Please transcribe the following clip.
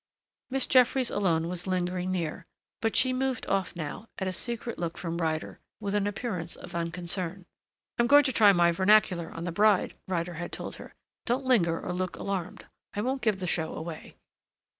Miss Jeffries alone was lingering near, but she moved off now at a secret look from Ryder with an appearance of unconcern. "I am going to try my vernacular on the bride," Ryder had told her. "Don't linger or look alarmed. I won't give the show away."